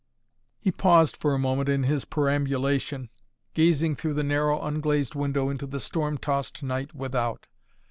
He paused for a moment in his perambulation, gazing through the narrow unglazed window into the storm tossed night without.